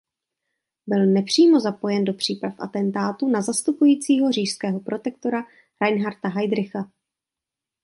Byl nepřímo zapojen do příprav atentátu na zastupujícího říšského protektora Reinharda Heydricha.